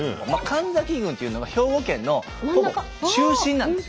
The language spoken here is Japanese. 神崎郡というのが兵庫県のほぼ中心なんです。